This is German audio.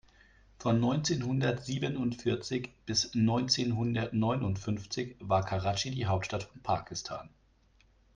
Von neunzehnhundertsiebenundvierzig bis neunzehnhundertneunundfünfzig war Karatschi die Hauptstadt von Pakistan.